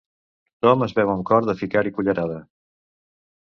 Tothom es veu amb cor de ficar-hi cullerada.